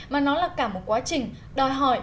mà nó là cả một quá trình đòi hỏi